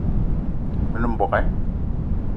Me nem mbogue